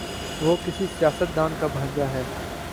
وہ کسی سیاست دان کا بھانجا ہے۔